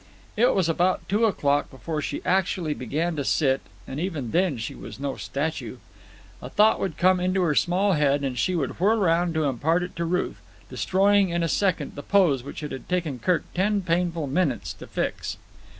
It was about two o'clock before she actually began to sit, and even then she was no statue. A thought would come into her small head and she would whirl round to impart it to Ruth, destroying in a second the pose which it had taken Kirk ten painful minutes to fix.